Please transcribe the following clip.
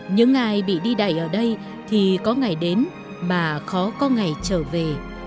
những ai bị đi đầy ở đây thì có ngày đến mà khó có ngày trở về